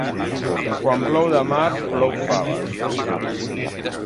Quan plou de març, plou faves.